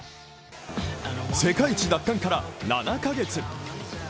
世界一奪還から７か月。